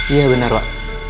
iya benar pak